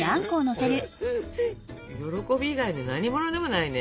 喜び以外の何ものでもないね